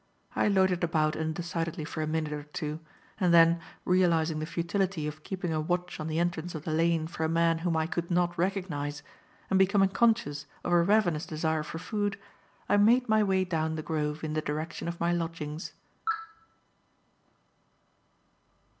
I loitered about undecidedly for a minute or two, and then, realizing the futility of keeping a watch on the entrance of the lane for a man whom I could not recognize, and becoming conscious of a ravenous desire for food I made my way down the Grove in the direction of my lodgings.